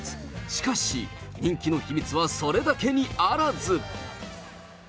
しかし、人気の秘密はそれだけにあらず。